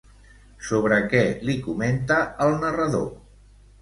Sobre què li comenta al narrador?